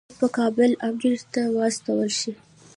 لیک په کابل امیر ته واستول شي.